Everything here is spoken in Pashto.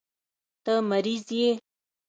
ته مريض يې.